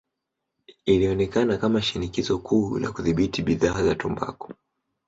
Ilionekana kama shinikizo kuu la kudhibiti bidhaa za tumbaku.